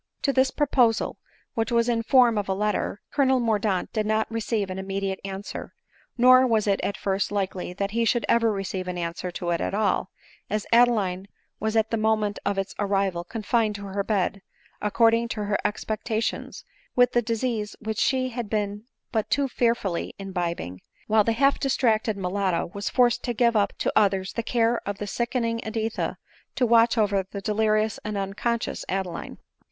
To this proposal, which was in form of a letter, Colonel Mordaunt did not receive an immediate answer ; nor was it at first likely that he should ever receive an answer to it at all, as Adeline was at the moment of its arrival confined to her bed, according to her expectations, with the dis ease which she had been but too fearfully imbibing ; while the half distracted mulatto was forced to give up to others the care of the sickening Editha, to watch over the delirious and unconscious Adeline.